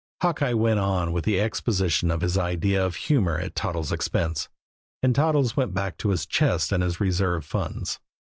Hawkeye went on with the exposition of his idea of humor at Toddles' expense; and Toddles went back to his chest and his reserve funds.